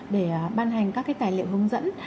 để ban hành các tài liệu hướng dẫn